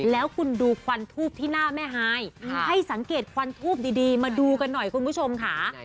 แล้วคุณดูควันทูบที่หน้าแม่ฮายให้สังเกตควันทูบดีมาดูกันหน่อยคุณผู้ชมค่ะ